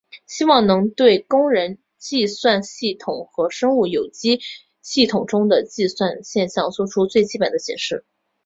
希望能对人工计算系统和生物有机体系统中的计算现象做出最基本的解释。